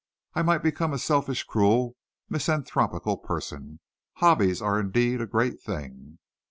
I might become a selfish, cruel, misanthropical person. Hobbies are indeed a great thing."